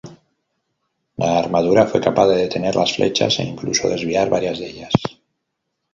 La armadura fue capaz de detener las flechas, e incluso desviar varias de ellas.